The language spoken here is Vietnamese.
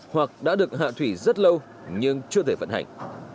hoặc đã được hạ thủy rất lâu nhưng chưa thể vận hành